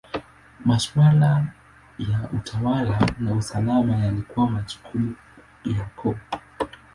Maswala ya utawala na usalama yalikuwa majukumu ya koo.